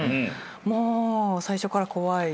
もう最初から怖い。